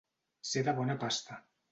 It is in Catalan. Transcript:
Ser de bona pasta.